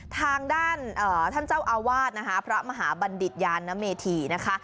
ทางด้านท่านเจ้าอาวาสนะคะพระมหาบัณฑิตยานเมธีนะคะ